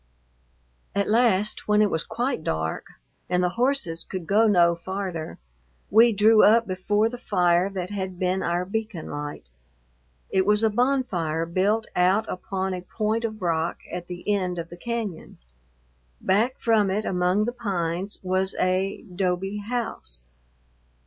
At last, when it was quite dark and the horses could go no farther, we drew up before the fire that had been our beacon light. It was a bonfire built out upon a point of rock at the end of the cañon. Back from it among the pines was a 'dobe house.